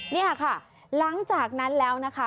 นี่ค่ะหลังจากนั้นแล้วนะคะ